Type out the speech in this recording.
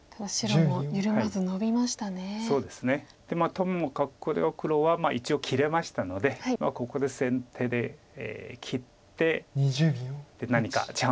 ともかくこれは黒は一応切れましたのでここで先手で切って何かチャンスがないか。